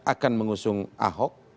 akan mengusung ahok